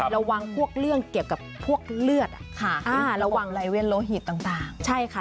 ระวังพวกเรื่องเกี่ยวกับพวกเลือดค่ะ